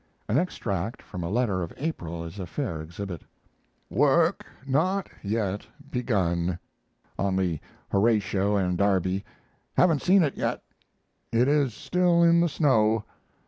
An extract from a letter of April is a fair exhibit: Work not yet begun on the "Horatio and Derby" haven't seen it yet. It is still in the snow.